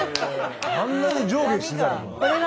あんなに上下してたら。